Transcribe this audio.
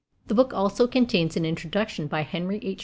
The book also contains an introduction by Henry H.